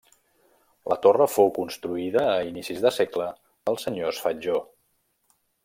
La torre fou construïda a inicis de segle pels senyors Fatjó.